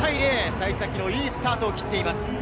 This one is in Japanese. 幸先のいいスタートを切っています。